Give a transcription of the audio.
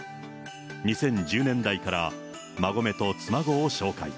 ２０１０年代から馬籠と妻籠を紹介。